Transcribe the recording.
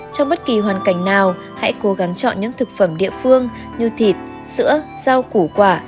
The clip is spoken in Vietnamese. trong bất kỳ hoàn cảnh nào hãy cố gắng chọn những thực phẩm địa phương như thịt sữa rau củ quả